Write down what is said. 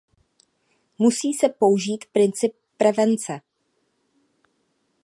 Musí se použít princip prevence.